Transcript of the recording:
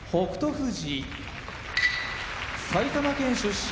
富士埼玉県出身